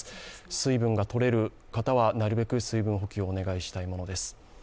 水分がとれる方はなるべく水分補給をお願いしたいものです。